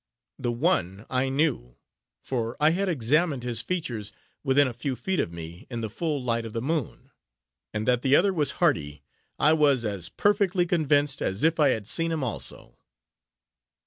The one I knew, for I had examined his features, within a few feet of me, in the full light of the moon; and, that the other was Hardy, I was as perfectly convinced, as if I had seen him also.